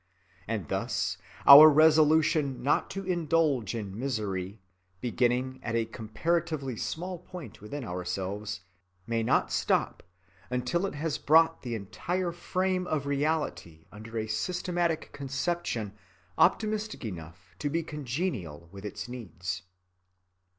And thus our resolution not to indulge in misery, beginning at a comparatively small point within ourselves, may not stop until it has brought the entire frame of reality under a systematic conception optimistic enough to be congenial with its needs.